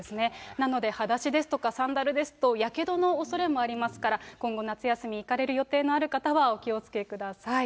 なのではだしですとか、サンダルですと、やけどのおそれもありますから、今後、夏休み、行かれる予定のある方は、お気をつけください。